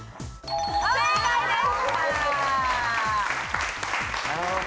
正解です！